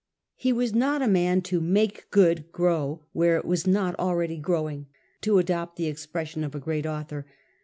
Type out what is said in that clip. He was not a man to make good grow where it was not already growing, to adopt the expression of a great author.